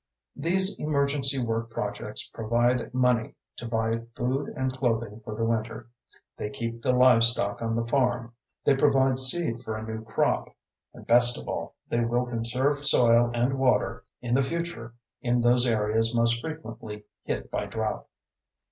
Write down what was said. These emergency work projects provide money to buy food and clothing for the winter; they keep the livestock on the farm; they provide seed for a new crop, and, best of all, they will conserve soil and water in the future in those areas most frequently hit by drought.